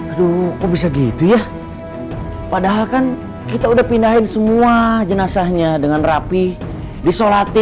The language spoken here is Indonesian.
aduh kok bisa gitu ya padahal kan kita udah pindahin semua jenazahnya dengan rapi disolati